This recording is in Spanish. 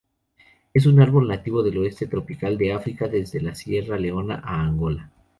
Es un árbol nativo del oeste tropical de África desde Sierra Leona a Angola.